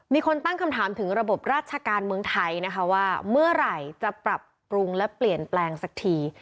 มีคนตั้งคำถามถึงระบบราชการเมืองไทยนะคะว่าเมื่อไหร่จะปรับปรุงและเปลี่ยนแปลงสักที